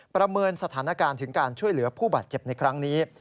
ประเมินสถานการณ์ถึงการช่วยเหลือผู้บาดเจ็บในครั้งนี้